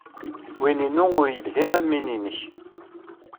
Win-inu ur yelhi am win-nnek.